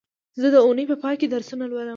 زه د اونۍ په پای کې درسونه لولم